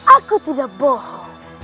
aku tidak bohong